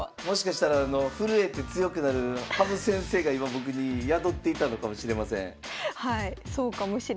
もしかしたら震えて強くなる羽生先生が今僕に宿っていたのかもしれません。